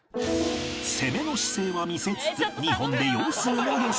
攻めの姿勢は見せつつ２本で様子見の良純